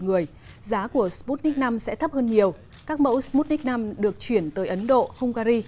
người giá của sputnik v sẽ thấp hơn nhiều các mẫu sputnik v được chuyển tới ấn độ hungary